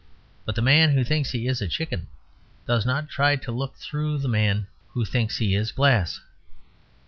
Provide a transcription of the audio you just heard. But the man who thinks he is a chicken does not try to look through the man who thinks he is glass.